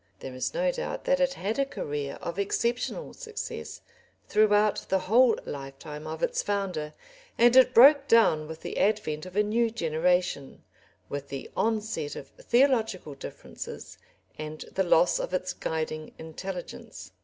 There is no doubt that it had a career of exceptional success throughout the whole lifetime of its founder, and it broke down with the advent of a new generation, with the onset of theological differences, and the loss of its guiding intelligence.